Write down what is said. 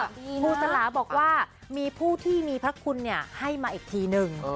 ครูสลาบอกว่ามีผู้ที่มีพระคุณให้มาอีกทีนึง